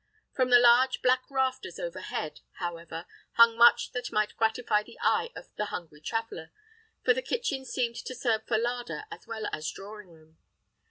From the large black rafters overhead, however, hung much that might gratify the eye of the hungry traveller, for the kitchen seemed to serve for larder as well as drawing room.